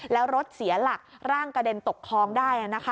และรถเสียหลักร่างกระเด็นตกคลองได้อะนะคะ